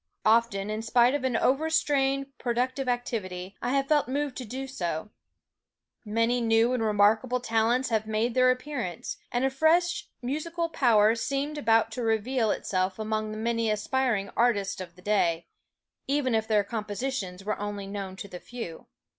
Often in spite of an overstrained productive activity, I have felt moved to do so; many new and remarkable talents have made their appearance, and a fresh musical power seemed about to reveal itself among the many aspiring artists of the day, even if their compositions were only known to the few.